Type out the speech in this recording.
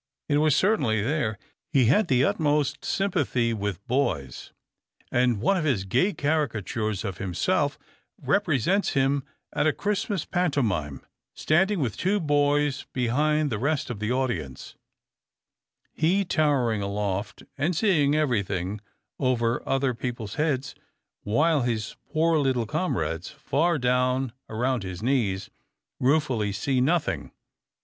It was certainly there. He had the utmost sympathy with boys, and one of his gay caricatures of himself represents him at a Christmas pantomime standing with two boys behind the rest of the audience, he towering aloft and seeing everything over other people's heads, while his poor little comrades, far down about his knees, ruefully see nothing.